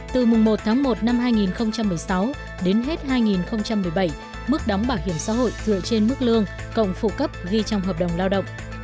từ mùng một tháng một năm hai nghìn một mươi sáu đến hết hai nghìn một mươi bảy mức đóng bảo hiểm xã hội dựa trên mức lương cổng phụ cấp ghi trong hợp đồng lao động